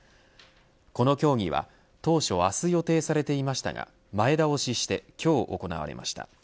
この協議は当初明日予定されていましたが前倒しして、今日行われました。